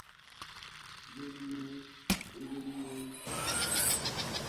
Lém yéé; ébél yéé,.